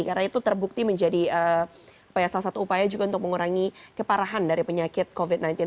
karena itu terbukti menjadi salah satu upaya juga untuk mengurangi keparahan dari penyakit covid sembilan belas